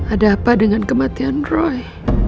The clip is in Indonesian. ada apa dengan kematian roy